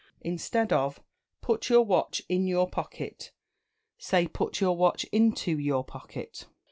Instead of "Put your watch in your pocket," say "Put your watch into your pocket."